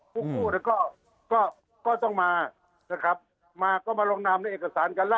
ผู้กู้เนี่ยก็ก็ต้องมานะครับมาก็มาลงนามในเอกสารกันแล้ว